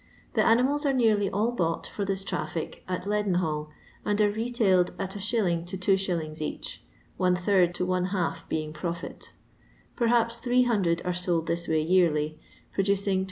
The animalt are nearly all bought, for thit traffic, at Leadenhall, and are retailed at Is. to 2s, each, one third to one half being profit Perhapt 800 are told this way yearly, producing 22